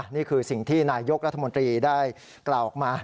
นี่คือสิ่งที่นายยกรัฐมนตรีได้กล่าวออกมา